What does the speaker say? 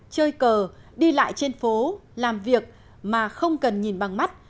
chơi cờ đi lại trên phố làm việc mà không cần nhìn bằng mắt